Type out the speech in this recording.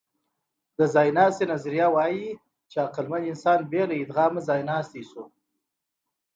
د ځایناستي نظریه وايي، چې عقلمن انسان بې له ادغام ځایناستی شو.